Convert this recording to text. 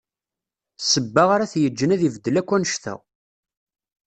Ssebba ara t-yeǧǧen ad ibeddel akk annect-a.